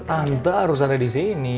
tante harus ada disini